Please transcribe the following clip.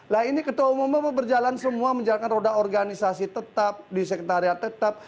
lah ini ketua umum bapak berjalan semua menjalankan roda organisasi tetap di sekretariat tetap